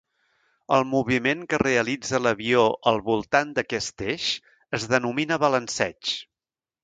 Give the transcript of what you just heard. El moviment que realitza l'avió al voltant d'aquest eix es denomina balanceig.